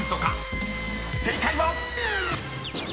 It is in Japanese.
［正解は⁉］